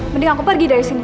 mending aku pergi dari sini